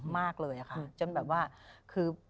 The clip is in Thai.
มากเลยค่ะจนแบบว่าคือ